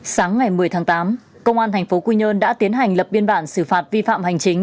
sáng ngày một mươi tháng tám công an tp quy nhơn đã tiến hành lập biên bản xử phạt vi phạm hành chính